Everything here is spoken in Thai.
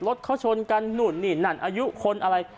รถเขาชนกันนู่นนี่นั่นอายุคนอะไร